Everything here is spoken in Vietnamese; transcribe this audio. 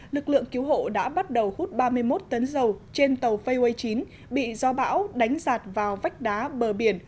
lực lượng cứu hộ đã bắt đầu hút ba mươi một tấn dầu trên tàu pha chín bị do bão đánh giạt vào vách đá bờ biển